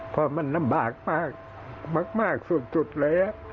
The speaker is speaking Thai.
เพราะมันลำบากมากสุดเลย